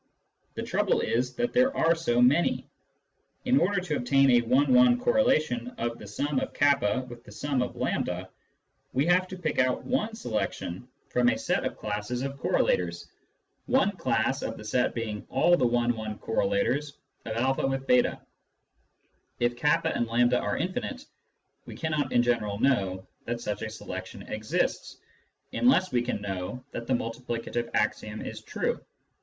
The trouble is that there are so many. In order to obtain a one one correlation of the sum of k with the sum of A, we have to pick out one selection from a set of classes Selections and the Multiplicative Axiom 125 of correlators, one class of the set being all the one one correlators of a with j3. If k and A are infinite, we cannot in general know that such a selection exists, unless we can know that the multi plicative axiom is true.